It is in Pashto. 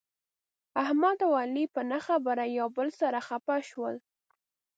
احمد او علي په نه خبره یو له بل سره خپه شول.